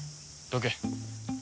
どけ。